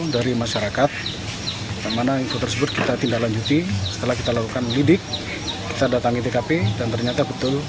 dari masyarakat yang mana info tersebut kita tindak lanjuti setelah kita lakukan lidik kita datangi tkp dan ternyata betul